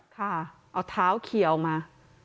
ค่ะเอาเท้าเขียวมา